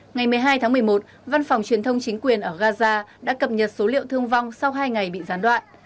ngày một mươi hai tháng một mươi một văn phòng truyền thông chính quyền ở gaza đã cập nhật số liệu thương vong sau hai ngày bị gián đoạn